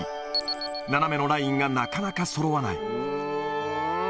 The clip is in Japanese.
斜めのラインがなかなかそろわない。